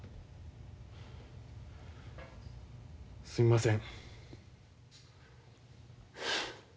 すみません。